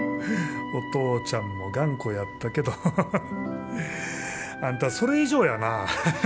お父ちゃんも頑固やったけどハハハハあんたそれ以上やな。